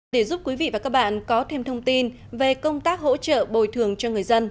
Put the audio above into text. để giúp quý vị và các bạn có thêm thông tin về công tác hỗ trợ bồi thường cho người dân